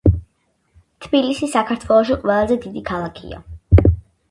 თბილისი საქართველოში ყველაზე დიდი ქალაქია